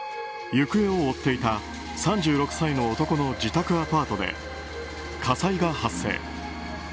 行方を追っていた３６歳の男の自宅アパートで火災が発生。